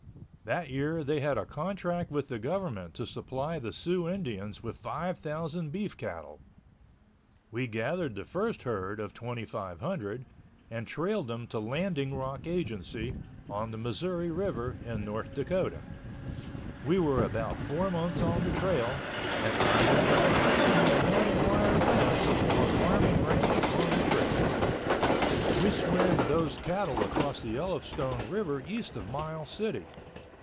That year they had a contract with the government to supply the Sioux Indians with 5,000 beef cattle. We gathered the first herd of 2,500 and trailed them to landing Rock Agency on the Missouri River in North Dakota. We were about four months on the trail and I don't remember of seeing one wire fence or farming ranch on the trip. We swam those cattle across the Yellowstone River east of Miles City.